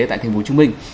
tại thành phố hồ chí minh